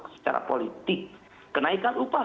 secara politik kenaikan upah